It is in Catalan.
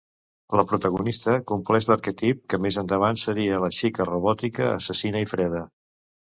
La protagonista compleix l'arquetip que més endavant seria la xica robòtica assassina i freda.